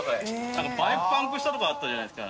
燭バイクパンクしたとかあったじゃないですか？